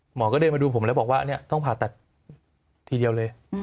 หมอก็เดินมาดูผมแล้วบอกว่าอันนี้ต้องผ่าตัดทีเดียวเลย